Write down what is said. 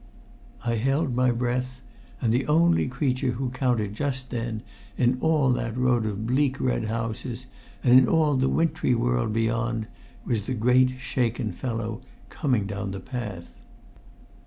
I held my breath; and the only creature who counted just then, in all that road of bleak red houses, and in all the wintry world beyond, was the great shaken fellow coming down the path.